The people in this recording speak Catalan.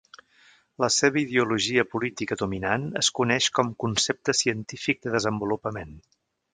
La seva ideologia política dominant es coneix com Concepte Científic de Desenvolupament.